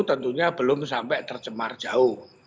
tentunya belum sampai tercemar jauh